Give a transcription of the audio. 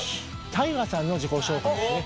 大我さんの自己紹介ですね。